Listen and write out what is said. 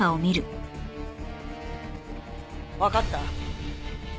わかった。